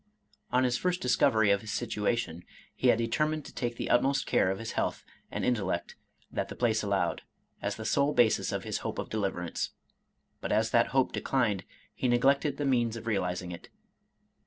On his first discovery of his situation, he had determined to take the utmost care of his health and intellect that the place allowed, as the sole basis of his hope of deliverance. But as that hope declined, he neglected the means of realiz ing it.